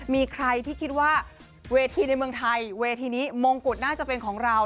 มีใครที่คิดว่าเวทีในเมืองไทยเวทีนี้มงกุฎน่าจะเป็นของเรา